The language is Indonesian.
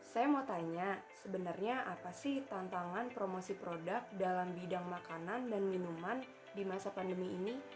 saya mau tanya sebenarnya apa sih tantangan promosi produk dalam bidang makanan dan minuman di masa pandemi ini